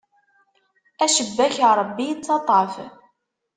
Acebbak n Ṛebbi ittaṭṭaf.